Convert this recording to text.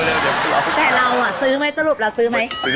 แปดเราอ่ะสือไหมสรุปล่าวเราสือไหม